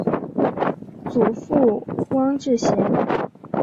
祖父汪志贤。